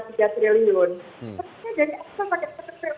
sebetulnya dari asal pakai dbtu